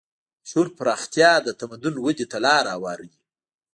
د شعور پراختیا د تمدن ودې ته لاره هواروي.